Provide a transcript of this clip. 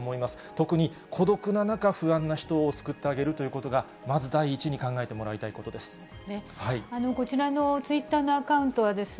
特に孤独な中、不安な人を救ってあげるということが、まず第一に考えてもらいたいことです。